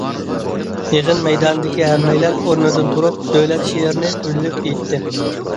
يىغىن مەيدانىدىكى ھەممەيلەن ئورنىدىن تۇرۇپ، دۆلەت شېئىرىنى ئۈنلۈك ئېيتتى.